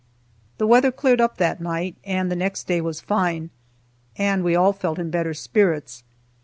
The weather cleared up that night, and the next day was fine, and we all felt in better spirits.